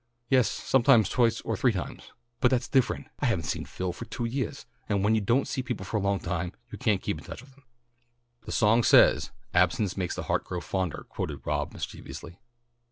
"Yes, sometimes twice or three times. But that's different. I haven't seen Phil for two yeahs and when you don't see people for a long time you can't keep in touch with them." "The song says, 'Absence makes the heart grow fonder,'" quoted Rob mischievously.